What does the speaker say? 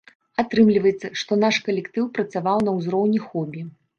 Атрымліваецца, што наш калектыў працаваў на ўзроўні хобі.